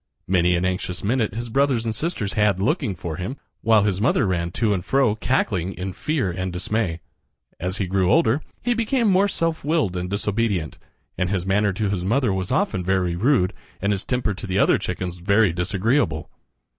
Many an anxious minute his brothers and sisters had looking for him, while his mother ran to and fro cackling in fear and dismay. As he grew older he became more self willed and disobedient, and his manner to his mother was often very rude and his temper to the other chickens very disagreeable.